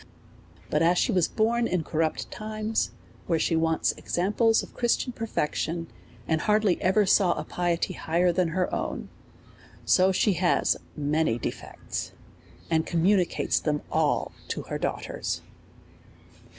But as she was born in corrupt times, where she wants examples of Christian perfec tion, and hardly ever saw a piety higher than her own ; so she has many defects, and communicates them all to her daughters.